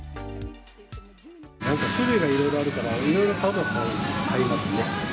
なんか種類がいろいろあるから、いろいろ買いますね。